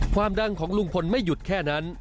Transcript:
ความดังของลุงพลไม่หยุดแค่นั้น